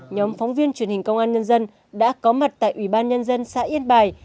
nhóm phóng viên truyền hình công an nhân dân đã có mặt tại ủy ban nhân dân xã yên bài